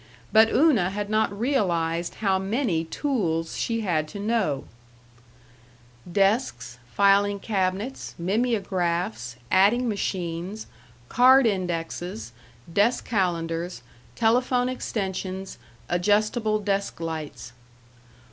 But Una had not realized how many tools she had to know Desks, filing cabinets, mimeographs, adding machines, card indexes, desk calendars, telephone extensions, adjustable desk lights.